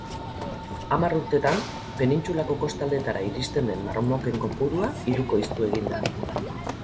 Hamar urtetan penintsulako kostaldetara iristen den marmoken kopurua hirukoiztu egin da.